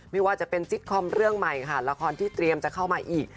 ไม่ว่าจะเป็นซิกคอมเรื่องใหม่ค่ะละครที่เตรียมจะเข้ามาอีก